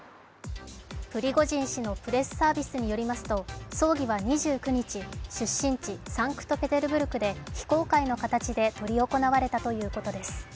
プリゴジン氏のプレスサービスによりますと、葬儀は２９日、出身地サンクトペテルブルクで非公開の形で執り行われたということです。